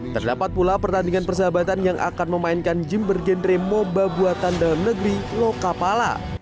terdapat pula pertandingan persahabatan yang akan memainkan gym bergenre moba buatan dalam negeri lokapala